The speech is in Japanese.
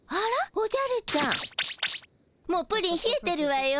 おじゃるちゃんもうプリンひえてるわよ。